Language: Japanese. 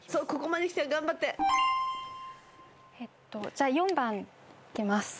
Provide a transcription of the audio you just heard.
じゃあ４番いきます。